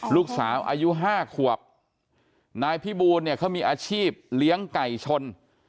ลูกสาวอายุห้าขวบนายพี่บูลเนี่ยเขามีอาชีพเลี้ยงไก่ชน